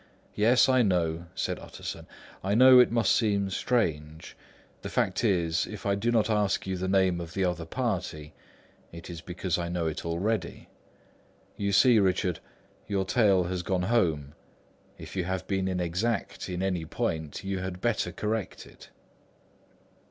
"Yes, I know," said Utterson; "I know it must seem strange. The fact is, if I do not ask you the name of the other party, it is because I know it already. You see, Richard, your tale has gone home. If you have been inexact in any point you had better correct it."